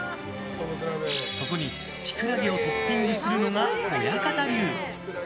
そこにキクラゲをトッピングするのが親方流。